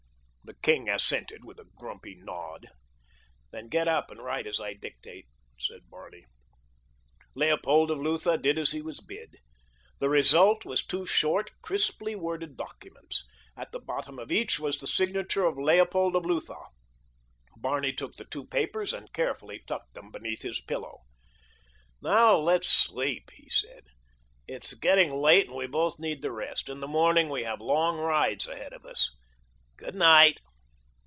The king assented with a grumpy nod. "Then get up and write as I dictate," said Barney. Leopold of Lutha did as he was bid. The result was two short, crisply worded documents. At the bottom of each was the signature of Leopold of Lutha. Barney took the two papers and carefully tucked them beneath his pillow. "Now let's sleep," he said. "It is getting late and we both need the rest. In the morning we have long rides ahead of us. Good night."